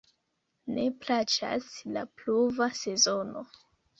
Ne plaĉas la pluva sezono.